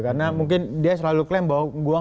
karena mungkin dia selalu klaim bahwa